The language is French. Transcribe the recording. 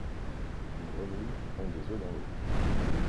Une grenouille pond des œufs dans l'eau.